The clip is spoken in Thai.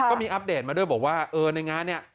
ก็มีอัปเดตมาด้วยบอกว่าในงานเนี่ย